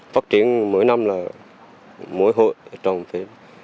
phát triển mỗi năm là mỗi hội trong phim